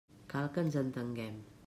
Cal que ens entenguem.